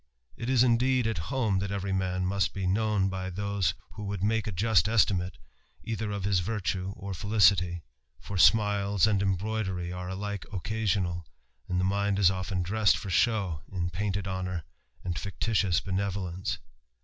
It is, indeed, at home that every man must be known hj those who would make a just estimate either of his virtue o felicity ; for smiles and embroidery are alike occasional, aD<L the mind is often dressed for show in painted honour s fictitious benevolence.